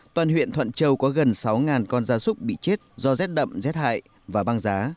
toàn huyện thuận châu có gần sáu con da súc bị chết do rét đậm rét hại và băng giá